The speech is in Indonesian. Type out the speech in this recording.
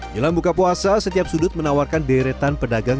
jelang buka puasa setiap sudut menawarkan deretan pedagang